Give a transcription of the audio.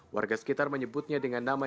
warga sekitar menyebutnya dengan nama